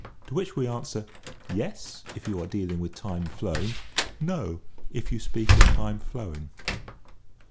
" To which we answer : Yes, if you are deal ing with time flown; No, if you speak of time flowing.